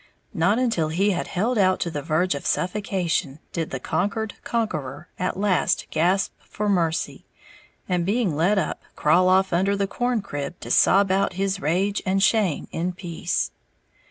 Not until he had held out to the verge of suffocation did the conquered conqueror at last gasp for mercy, and being let up, crawl off under the corncrib to sob out his rage and shame in peace.